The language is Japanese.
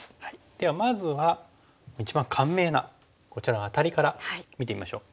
ではまずは一番簡明なこちらアタリから見てみましょう。